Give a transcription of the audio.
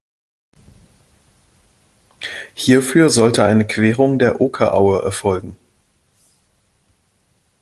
Hierfür sollte eine Querung der Okeraue erfolgen.